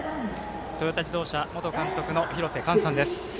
トヨタ自動車元監督の廣瀬寛さんです。